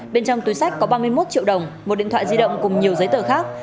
bên trong túi sách có ba mươi một triệu đồng một điện thoại di động cùng nhiều giấy tờ khác